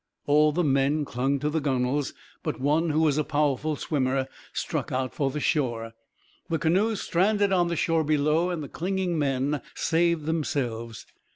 All the men clung to the gunnels; but one who was a powerful swimmer struck out for the shore. The canoes stranded on the shore below and the clinging men saved themselves.